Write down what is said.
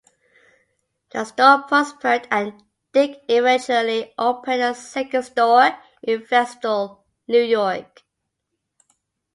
The store prospered, and Dick eventually opened a second store in Vestal, New York.